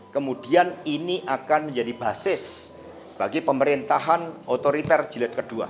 kemudian ini akan menjadi basis bagi pemerintahan otoriter jilid ii